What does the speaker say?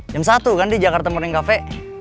jam satu kan di jakarta morning cafe